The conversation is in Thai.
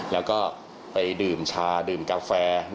แล้วก็ไปดื่มชาดื่มกาแฟ